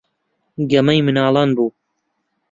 گەمەی منداڵان بوو.